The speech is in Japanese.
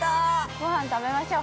◆ごはん食べましょう。